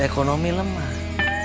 kalau ekonomi lemah